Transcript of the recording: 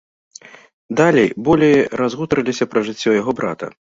Далей, болей разгутарыліся пра жыццё яго брата.